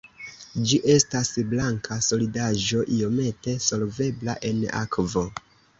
Ĝi estas blanka solidaĵo iomete solvebla en akvo.